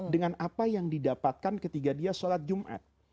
dengan apa yang didapatkan ketika dia sholat jumat